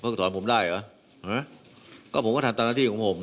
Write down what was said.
เพิกถอนผมได้เหรอเหรอก็ผมก็ถัดตราตรีของผม